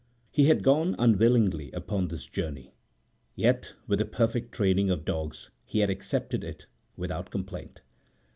He had gone unwillingly upon this journey, yet with the perfect training of dogs he had accepted it without complaint.